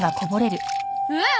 うわあっ！